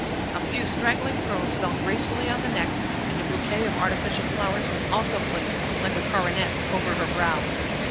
A few straggling curls fell gracefully on the neck, and a bouquet of artificial flowers was also placed, like a coronet, over her brow.